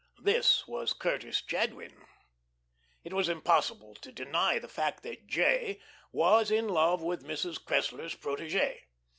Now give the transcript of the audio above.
This was Curtis Jadwin. It was impossible to deny the fact that "J." was in love with Mrs. Cressler's protegee.